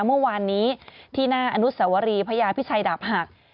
เมื่อวานนี้ที่หน้าอนุสวรีพญาพิชัยดาบหัก